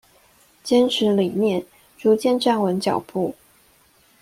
堅持理念，逐漸站穩腳步